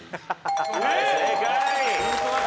正解。